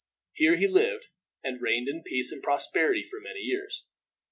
Here he lived and reigned in peace and prosperity for many years.